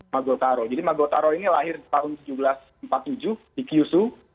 magotaro jadi magotaro ini lahir tahun seribu tujuh ratus empat puluh tujuh di kiyusu